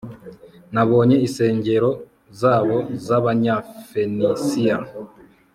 Nabonye insengero zabo zAbanyafenisiya